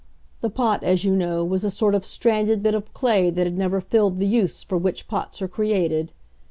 The Pot, as you know, was a sort of stranded bit of clay that had never filled the use for which pots are created.